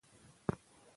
سهار مو نیکمرغه.